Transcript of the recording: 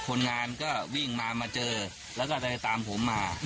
คนงานก็วิ่งมามาเจอแล้วก็จะตามผมมา